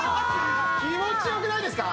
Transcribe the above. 気持ち良くないですか？